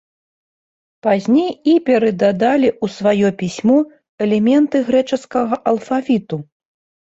Пазней іберы дадалі ў сваё пісьмо элементы грэчаскага алфавіту.